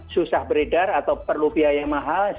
susah beredar atau perlu biaya yang mahal